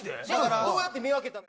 それはどうやって見分けたら。